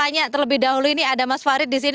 tanya terlebih dahulu ini ada mas farid di sini